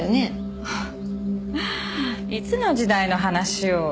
フッいつの時代の話を。